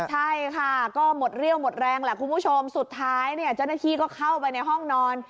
ใช่ค่ะก็หมดเรี่ยวหมดแรงแหละคุณผู้ชมสุดท้ายเนี่ยเจ้าหน้าที่ก็เข้าไปในห้องนอน